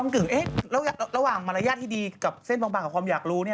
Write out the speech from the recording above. แล้วเราระหว่างมารยาทที่ดีกับเส้นบางกับความอยากรู้เนี่ย